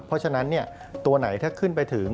เพราะฉะนั้นตัวไหนถ้าขึ้นไปถึง